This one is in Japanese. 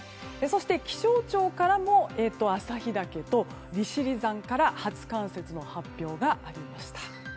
そして、気象庁からも旭岳と利尻山から初冠雪の発表がありました。